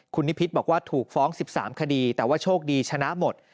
คุณนิพิษบอกว่าถูกฟ้อง๑๓คดีแต่ว่าโชคดีชนะหมด